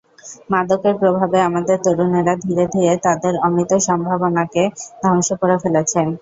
মাদকের প্রভাবে আমাদের তরুণেরা ধীরে ধীরে তাঁদের অমিত সম্ভাবনাকে ধ্বংস করে ফেলছেন।